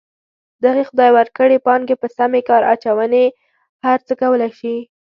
دغې خدای ورکړې پانګې په سمې کار اچونې هر څه کولی شي.